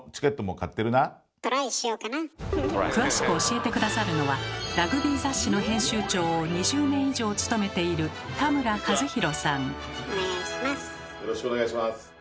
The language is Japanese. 詳しく教えて下さるのはラグビー雑誌の編集長を２０年以上務めているよろしくお願いします。